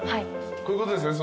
こういうことですね？